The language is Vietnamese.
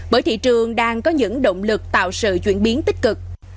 bởi thị trường đang có những động lực tạo sự chuyển biến tích cực